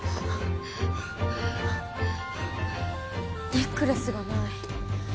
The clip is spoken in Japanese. ネックレスがない。